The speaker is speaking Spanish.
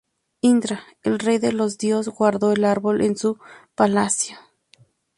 Indra, el rey de los dios, guardó el árbol en su palacio.